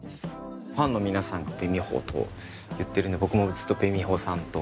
ファンの皆さん「べみほ」といってるので僕もずっと「べみほさん」と。